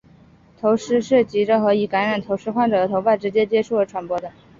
头虱是藉着和已感染头虱患者的头发直接接触而传播。